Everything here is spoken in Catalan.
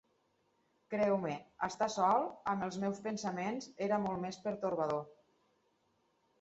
Creu-me, estar sol amb els meus pensaments era molt més pertorbador.